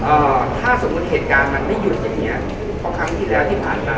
เอ่อถ้าสมมุติเหตุการณ์มันไม่หยุดอย่างเงี้ยเพราะครั้งที่แล้วที่ผ่านมา